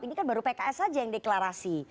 ini kan baru pks saja yang deklarasi